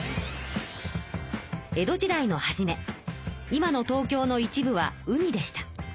江戸時代の初め今の東京の一部は海でした。